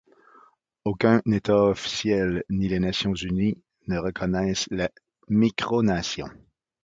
Aucun État officiel ni les Nations unies ne reconnaissent la micronation.